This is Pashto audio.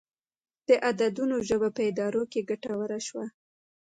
د عددونو ژبه په ادارو کې ګټوره شوه.